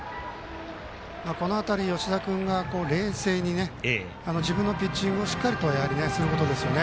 この辺り、吉田君が冷静に自分のピッチングをしっかりとすることですね。